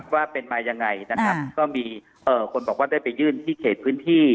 ว่าเป็นมายังไงนะครับก็มีคนบอกว่าได้ไปยื่นที่เขตพื้นที่